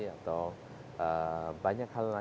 atau banyak hal lain